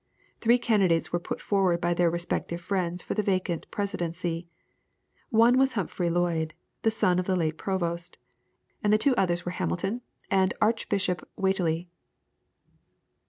Three candidates were put forward by their respective friends for the vacant Presidency. One was Humphrey Lloyd, the son of the late Provost, and the two others were Hamilton and Archbishop Whately.